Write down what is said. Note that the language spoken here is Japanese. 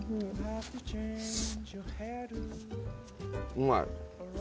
うまい。